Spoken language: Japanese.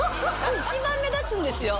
一番目立つんですよ